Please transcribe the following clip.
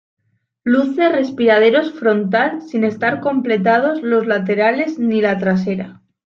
Luce respiraderos frontal, sin estar completados los laterales ni la trasera.